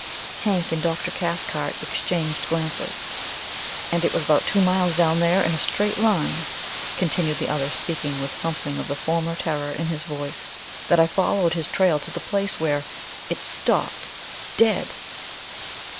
Hank and Dr. Cathcart exchanged glances. "And it was about two miles down there, in a straight line," continued the other, speaking with something of the former terror in his voice, "that I followed his trail to the place where it stopped dead!"